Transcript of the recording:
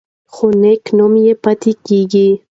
خو نېک نوم پاتې کیږي.